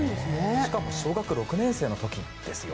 しかも小学６年生の時にですよ。